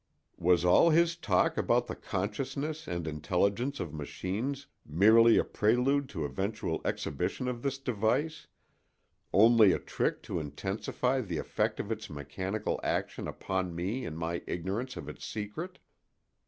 Was all his talk about the consciousness and intelligence of machines merely a prelude to eventual exhibition of this device—only a trick to intensify the effect of its mechanical action upon me in my ignorance of its secret?